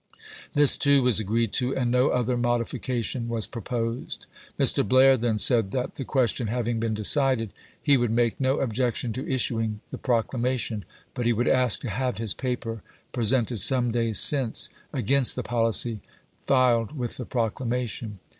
This, too, was agreed to, and no other modification was proposed. Mr. Blair then said that, the question having been decided, he would make no objection to issuing the proclamation ; but he would ask to have his paper, presented some days since. Vol. VI.— 11 162 ABKAHAM LINCOLN CHAP. VIII. against the policy, filed with the proclamation.